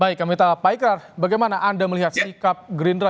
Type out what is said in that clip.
baik kami tahu pak ikrar bagaimana anda melihat sikap gerindra